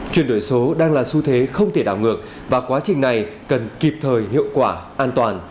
chuyển đổi số đang là xu thế không thể đảo ngược và quá trình này cần kịp thời hiệu quả an toàn